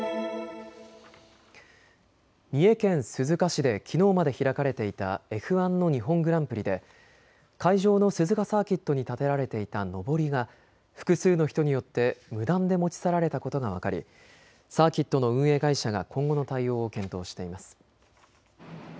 三重県鈴鹿市できのうまで開かれていたＦ１の日本グランプリで会場の鈴鹿サーキットに立てられていたのぼりが複数の人によって無断で持ち去られたことが分かりサーキットの運営会社が今後の対応を検討しています。